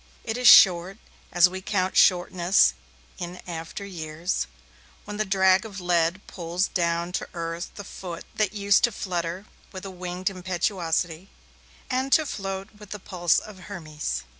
It is short, as we count shortness in after years, when the drag of lead pulls down to earth the foot that used to flutter with a winged impetuosity, and to float with the pulse of Hermes.